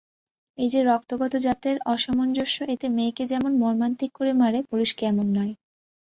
এই যে রক্তগত জাতের অসামঞ্জস্য এতে মেয়েকে যেমন মর্মান্তিক করে মারে পুরুষকে এমন নয়।